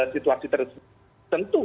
situasi tersebut tentu